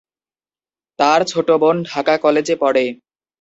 তার ছোট বোন ঢাকা কলেজে পড়ে।